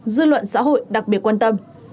dư luận xã hội đặc biệt quan tâm